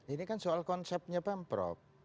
ini kan soal konsepnya pemprov